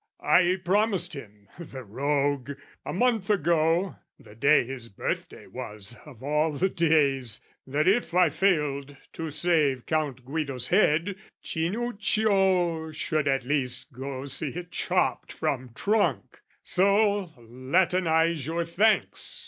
"I promised him, the rogue, a month ago, "The day his birthday was, of all the days, "That if I failed to save Count Guido's head, "Cinuccio should at least go see it chopped "From trunk 'So, latinize your thanks!'